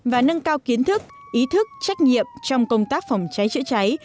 và nâng cao kiến thức ý thức trách nhiệm trong công tác phòng cháy chữa cháy